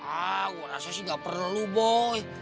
ah gua rasa sih nggak perlu boy